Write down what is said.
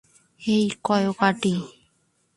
হেই, coyote.